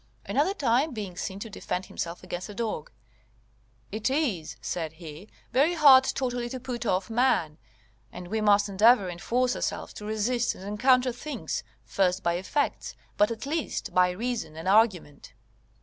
Another time, being seen to defend himself against a dog: "It is," said he, "very hard totally to put off man; and we must endeavour and force ourselves to resist and encounter things, first by effects, but at least by reason and argument."